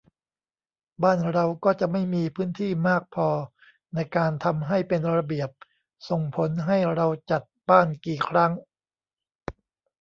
บ้านเราก็จะไม่มีพื้นที่มากพอในการทำให้เป็นระเบียบ ส่งผลให้เราจัดบ้านกี่ครั้ง